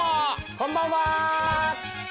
こんばんは！